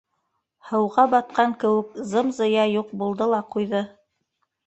Һыуға батҡан кеүек зымзыя юҡ булды ла ҡуйҙы.